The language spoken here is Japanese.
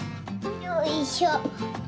よいしょ！